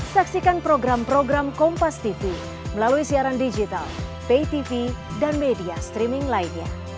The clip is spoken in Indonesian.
saksikan program program kompastv melalui siaran digital paytv dan media streaming lainnya